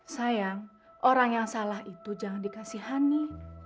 sayang orang yang salah itu jangan dikasih honey